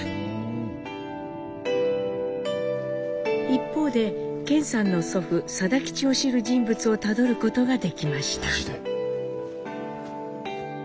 一方で顕さんの祖父定吉を知る人物をたどることができました。